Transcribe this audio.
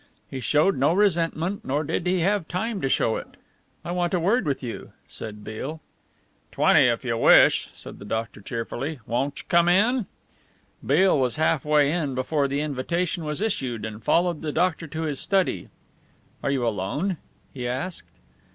He showed no resentment nor did he have time to show it. "I want a word with you," said Beale. "Twenty if you wish," said the doctor cheerfully. "Won't you come in?" Beale was half way in before the invitation was issued and followed the doctor to his study. "Are you alone?" he asked.